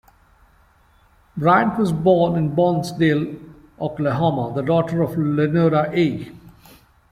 Bryant was born in Barnsdall, Oklahoma, the daughter of Lenora A.